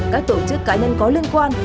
các tổ chức cá nhân có liên quan